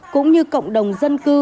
cũng như cộng đồng dân cư